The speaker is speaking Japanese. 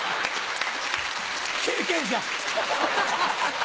経験者！